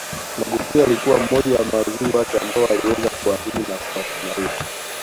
Magufuli alikuwa mmoja wa mawaziri wake ambao aliweza kuwaamini na kuwatumaini